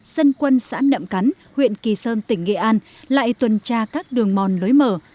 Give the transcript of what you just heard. dân quân xã nậm cắn huyện kỳ sơn tỉnh nghệ an lại tuần tra các đường mòn lối mở